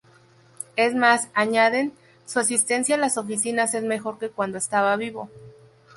Es más -añaden-, su asistencia a las oficinas es mejor que cuando estaba vivo.